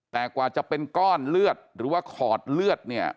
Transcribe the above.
แต่กว่าจะเป็นก้อนเลือดหรือว่าขอดเลือดเนี่ย